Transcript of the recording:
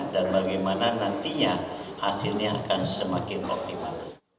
dan bagaimana nantinya hasilnya akan semakin optimal